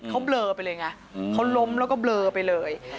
เขาเบลอไปเลยไงเขาล้มแล้วก็เบลอไปเลย